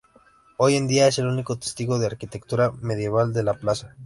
Hoy en día es el único testigo de arquitectura medieval de la plaza.